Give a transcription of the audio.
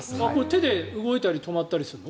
手で動いたり止まったりするの？